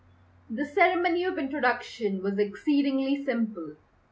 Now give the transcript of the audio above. The ceremony of introduction was exceedingly simple.